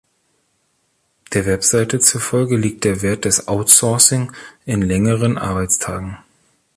Der Website zufolge liegt der Wert des Outsourcing in längeren Arbeitstagen.